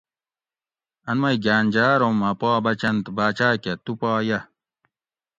ان مئی گھاۤن جاۤ ارو مہ پا بچنت باچاۤ کہ تُو پا یہ